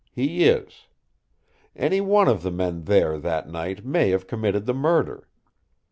He is. Any one of the men there that night may have committed the murder.